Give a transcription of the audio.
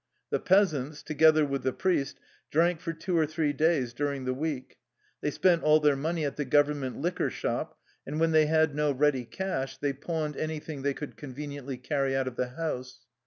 The peas ants, together with the priest, drank for two or three days during the week. They spent all their money at the Government liquor shop, and when they had no ready cash they pawned any thing they could conveniently carry out of the house.